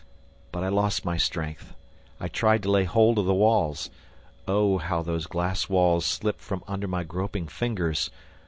But I lost my strength; I tried to lay hold of the walls! Oh, how those glass walls slipped from under my groping fingers!